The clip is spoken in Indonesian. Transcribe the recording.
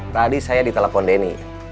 tadi saya ditelepon denny